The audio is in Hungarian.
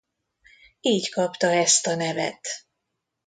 Így kapta ezt a nevet.